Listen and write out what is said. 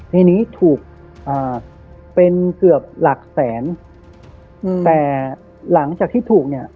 ในนี้ถูกอ่าเป็นเกือบหลักแสนอืมแต่หลังจากที่ถูกเนี่ย